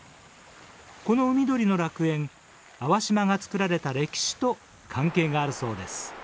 この海鳥の楽園粟島がつくられた歴史と関係があるそうです。